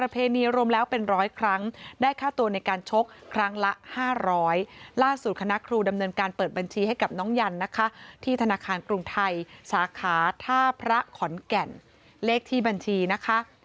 ที่ธนาคารกรุงไทยสาขาท่าพระขอนแก่นเลขที่บัญชีนะคะ